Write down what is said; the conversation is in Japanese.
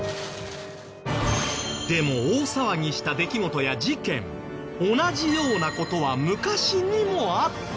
でも大騒ぎした出来事や事件同じような事は昔にもあった。